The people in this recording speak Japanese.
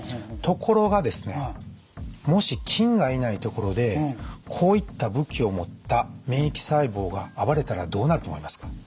ところがですねもし菌がいない所でこういった武器を持った免疫細胞が暴れたらどうなると思いますか？